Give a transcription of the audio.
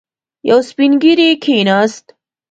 يو سپين ږيری کېناست.